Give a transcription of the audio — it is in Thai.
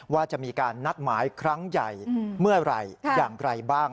ว่าจะมีการนัดหมายครั้งใหญ่เมื่อไหร่อย่างไรบ้าง